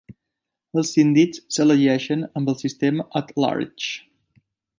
Els síndics s'elegeixen amb el sistema "at large".